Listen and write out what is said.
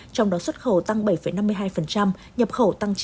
trong đó xuất khẩu tăng bảy năm mươi hai nhập khẩu tăng chín